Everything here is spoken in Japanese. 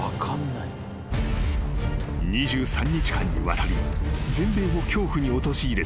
［２３日間にわたり全米を恐怖に陥れた姿なき殺人者たち］